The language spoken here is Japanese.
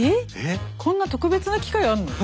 こんな特別な機械あるの？